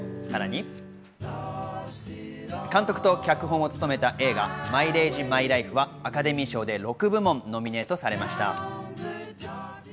さらに、監督と脚本を務めた映画、『マイレージ、マイライフ』はアカデミー賞で６部門ノミネートされました。